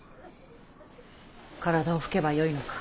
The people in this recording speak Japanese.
体を拭けばよいのか。